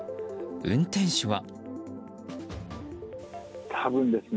運転手は。